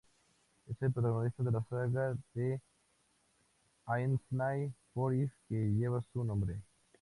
Es el protagonista de la "saga de Hænsna-Þóris," que lleva su nombre.